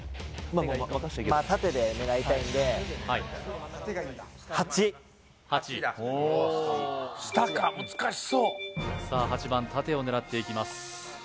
もう任したけど縦で狙いたいんで下か難しそうさあ８番縦を狙っていきます